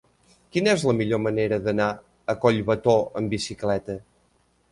Quina és la millor manera d'anar a Collbató amb bicicleta?